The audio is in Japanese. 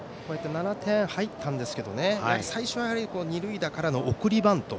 ７点入ったんですけど最初は二塁打からの送りバント。